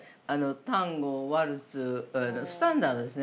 タンゴ、ワルツ、スタンダードですね。